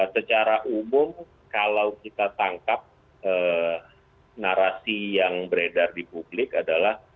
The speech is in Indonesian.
secara umum kalau kita tangkap narasi yang beredar di publik adalah